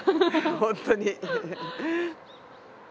本当に。